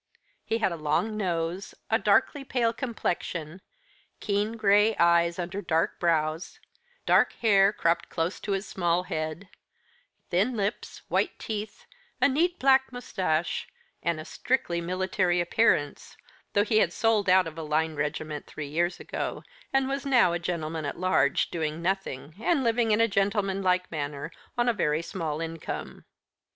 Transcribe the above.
He had a long nose, a darkly pale complexion, keen gray eyes under dark brows, dark hair, cropped close to his small head; thin lips, white teeth, a neat black moustache, and a strictly military appearance, though he had sold out of a line regiment three years ago, and was now a gentleman at large, doing nothing, and living in a gentleman like manner on a very small income.